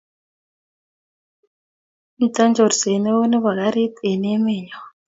mito chorset neoo nebo karit eng' emenyo.